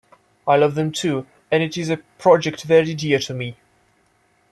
I love them too, and it is a project very dear to me.